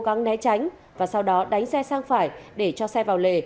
vâng né tránh và sau đó đánh xe sang phải để cho xe vào lệ